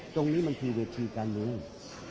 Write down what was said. ตรงนี้มันคือเวทีการเมือง